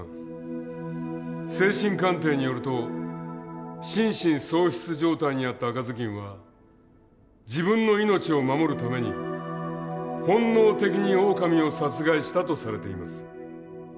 精神鑑定によると心神喪失状態にあった赤ずきんは自分の命を守るために本能的にオオカミを殺害したとされています。